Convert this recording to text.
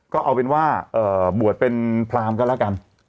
ก็เอาเป็นว่าบวชเป็นพรามก็แล้วกัน